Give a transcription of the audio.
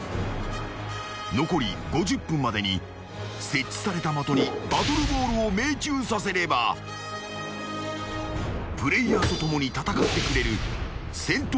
［残り５０分までに設置された的にバトルボールを命中させればプレイヤーと共に戦ってくれる戦闘